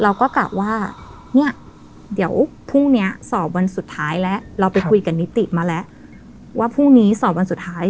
เราก็กะว่าเนี่ยเดี๋ยวพรุ่งนี้สอบวันสุดท้ายแล้วเราไปคุยกับนิติมาแล้วว่าพรุ่งนี้สอบวันสุดท้าย